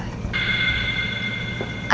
karena dia juga suka